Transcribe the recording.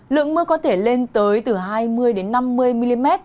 lượng mưa có thể lên tới từ hai mươi năm mươi mm